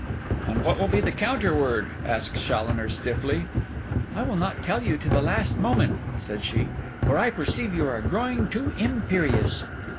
'And what will be the counterword?' asked Challoner stiffly. 'I will not tell you till the last moment,' said she; 'for I perceive you are growing too imperious.